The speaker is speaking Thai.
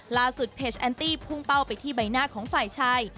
เพจแอนตี้พุ่งเป้าไปที่ใบหน้าของฝ่ายชาย